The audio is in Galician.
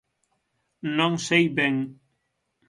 Non sei ben.